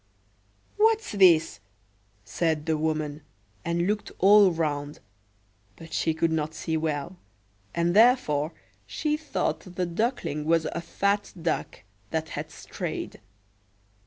"What's this?" said the woman, and looked all round; but she could not see well, and therefore she thought the Duckling was a fat duck that had strayed.